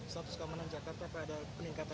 status keamanan jakarta apakah ada peningkatan